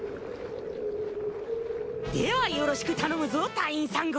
ではよろしく頼むぞ隊員３号。